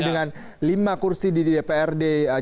dengan lima kursi di dprd jawa barat